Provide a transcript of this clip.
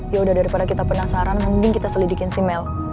yaudah daripada kita penasaran mending kita selidikin si mel